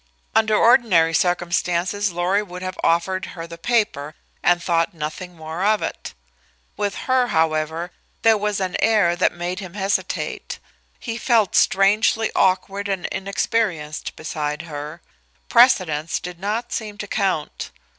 Under ordinary circumstances Lorry would have offered her the paper, and thought nothing more of it. With her, however, there was an air that made him hesitate. He felt strangely awkward and inexperienced beside her; precedents did not seem to count.